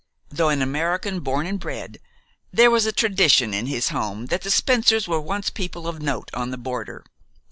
Though an American born and bred, there was a tradition in his home that the Spencers were once people of note on the border.